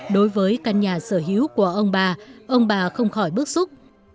đối với căn nhà sở hữu của ông bà ông bà không khỏi bức xúc